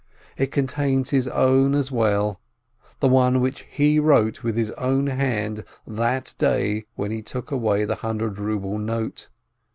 It contains his own as well, the one which he wrote with his own hand that day when he took away the hundred ruble note.